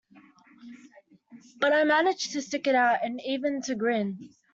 But I managed to stick it out and even to grin.